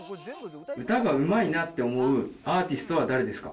歌がうまいなって思うアーティストは誰ですか？